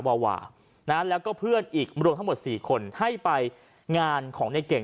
วาวาแล้วก็เพื่อนอีกรวมทั้งหมด๔คนให้ไปงานของในเก่ง